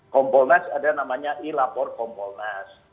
kompolnas ada namanya i lapor kompolnas